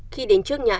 khi đến trước nhà anh l